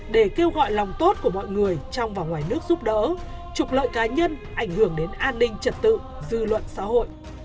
để kêu gọi lòng tốt của mọi người trong và ngoài nước giúp đỡ trục lợi cá nhân ảnh hưởng đến an ninh trật tự dư luận xã hội